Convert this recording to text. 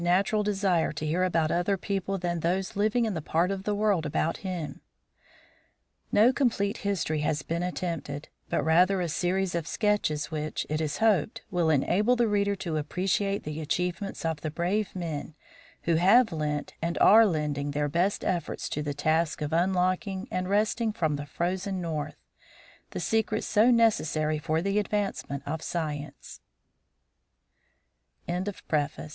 natural desire to hear about other people than those living in the part of the world about him. No complete history has been attempted, but rather a series of sketches which, it is hoped, will enable the reader to appreciate the achievements of the brave men who have lent and are lending their best efforts to the task of unlocking and wresting from the Frozen North, the secrets so necessary for the advancement of science.